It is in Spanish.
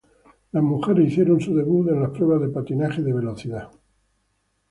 Las mujeres hicieron su debut en las pruebas de patinaje de velocidad.